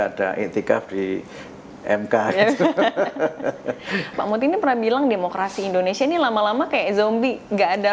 ada intikaf di mk pak muti pernah bilang demokrasi indonesia ini lama lama kayak zombie nggak ada